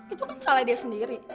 itu kan salah dia sendiri